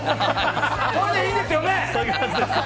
これでいいですよね。